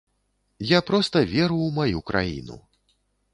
Я проста веру ў маю краіну.